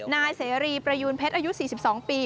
นายเสรีประยูนเพชรอายุ๔๒ปี